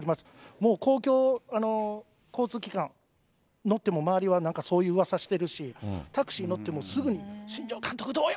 もう公共交通機関、乗っても、周りはなんかそういう噂してるし、タクシー乗ってもすぐ、新庄監督どうよ？